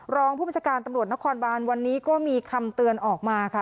รองผู้บัญชาการตำรวจนครบานวันนี้ก็มีคำเตือนออกมาค่ะ